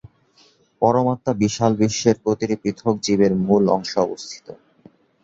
পরমাত্মা বিশাল বিশ্বের প্রতিটি পৃথক জীবের মূল অংশে অবস্থিত।